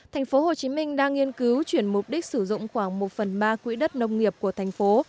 tp hcm đang nghiên cứu chuyển mục đích sử dụng khoảng một phần ba quỹ đất nông nghiệp của thành phố